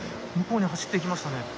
向こうに走っていきましたね。